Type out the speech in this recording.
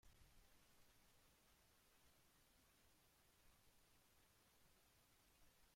Fomento del desarrollo local.